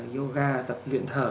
yoga tập luyện thở